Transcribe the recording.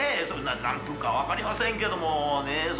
そんな何分か分かりませんけどもね